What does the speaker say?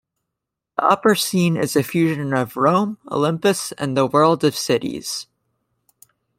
The upper scene is a fusion of Rome, Olympus, and the world of cities.